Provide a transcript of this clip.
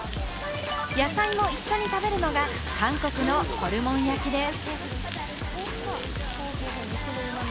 野菜も一緒に食べるのが韓国のホルモン焼きです。